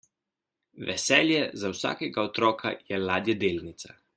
Veselje za vsakega otroka je ladjedelnica.